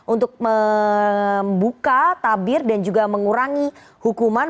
untuk membuka tabir dan juga mengurangi hukuman